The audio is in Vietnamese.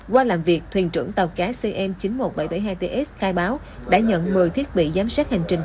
qua làm việc thuyền trưởng tàu cá cn chín mươi một nghìn bảy trăm bảy mươi hai ts khai báo đã nhận một mươi thiết bị giám sát hành trình